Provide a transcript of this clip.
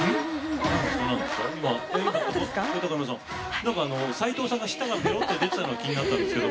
なんか齋藤さんの舌がベロンって出てたのが気になりましたけど。